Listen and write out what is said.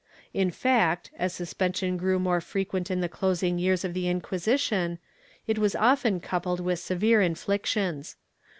^ In fact, as suspension grew more frequent in the closing years of the Inqui sition, it was often coupled with severe inflictions.